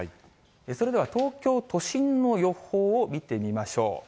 それでは東京都心の予報を見てみましょう。